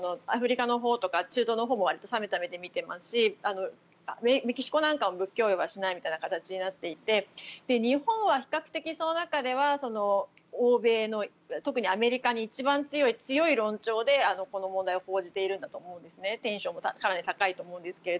アフリカのほうとか中東のほうもわりと冷めた目で見ていますしメキシコなんかも武器供与はしないという形になっていて日本は比較的その中では欧米の特にアメリカに一番強い強い論調でこの問題を報じているんだと思うんです。